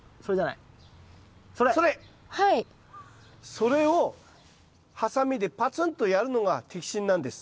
それをハサミでパツンとやるのが摘心なんです。